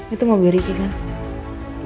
itu mobil riki kan